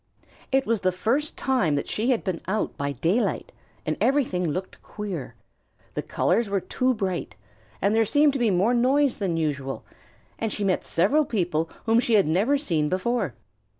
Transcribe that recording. It was the first time that she had been out by daylight, and everything looked queer. The colors looked too bright, and there seemed to be more noise than usual, and she met several people whom she had never seen before.